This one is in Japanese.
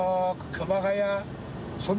「熊谷」